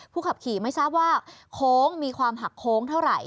ขับขี่ไม่ทราบว่าโค้งมีความหักโค้งเท่าไหร่